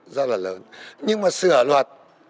rất là lớn nhưng mà sửa luật